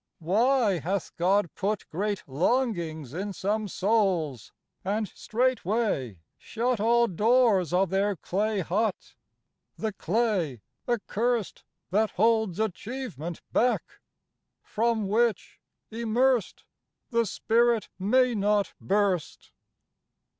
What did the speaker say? Why hath God put Great longings in some souls and straightway shut All doors of their clay hut? The clay accurst That holds achievement back; from which, immersed, The spirit may not burst.